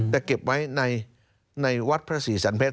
แต่เก็บไว้ในวัดพระศรีสันเพชร